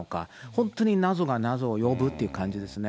本当に謎が謎を呼ぶって感じですね。